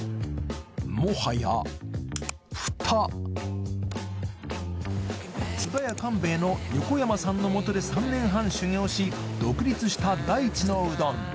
もはやフタ津田屋官兵衛の横山さんのもとで３年半修業し独立した大地のうどん